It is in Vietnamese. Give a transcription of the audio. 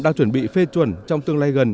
đang chuẩn bị phê chuẩn trong tương lai gần